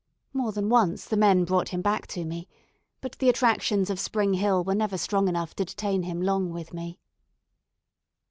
More than once the men brought him back to me, but the attractions of Spring Hill were never strong enough to detain him long with me.